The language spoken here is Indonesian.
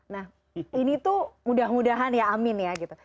nah ini tuh mudah mudahan ya amin ya gitu